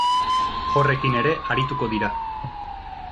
Horrekin ere arituko dira.